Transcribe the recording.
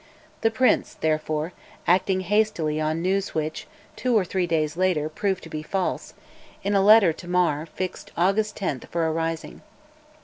The prince therefore, acting hastily on news which, two or three days later, proved to be false, in a letter to Mar fixed August 10 for a rising.